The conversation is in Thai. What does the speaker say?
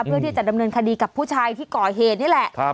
เพื่อที่จะดำเนินคดีกับผู้ชายที่ก่อเหตุนี่แหละ